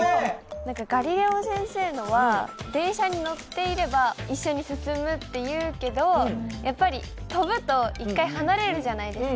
何かガリレオ先生のは電車に乗っていれば一緒に進むっていうけどやっぱり跳ぶと１回離れるじゃないですか。